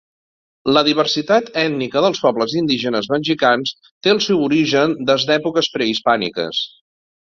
La diversitat ètnica dels pobles indígenes mexicans té el seu origen des d'èpoques prehispàniques.